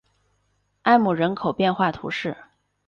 埃姆人口变化图示